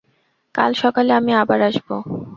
কাল সকালে আমি আবার আসব।